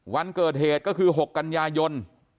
วันเกิดเหตุก็คือ๖กันยายน